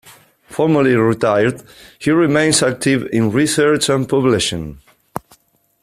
Formally retired, he remains active in research and publishing.